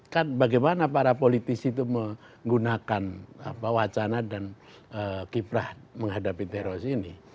kan bagaimana para politisi itu menggunakan wacana dan kiprah menghadapi teroris ini